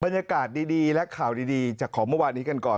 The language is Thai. บรรยากาศดีและข่าวดีจากของเมื่อวานนี้กันก่อน